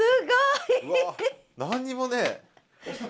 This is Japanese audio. うわ何にもねえ。